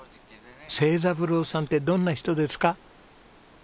成三郎さんってどんな人ですか？